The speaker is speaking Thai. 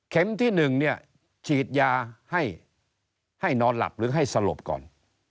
ที่๑เนี่ยฉีดยาให้นอนหลับหรือให้สลบก่อน